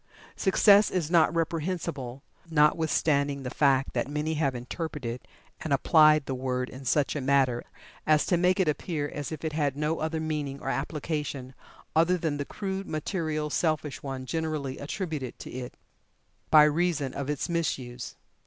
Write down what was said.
Success is not reprehensible, notwithstanding the fact that many have interpreted and applied the word in such a matter as to make it appear as if it had no other meaning or application other than the crude, material selfish one generally attributed to it, by reason of its misuse.